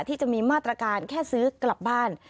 ที่จะมีมาตรการแค่ซื้อกลับบ้าน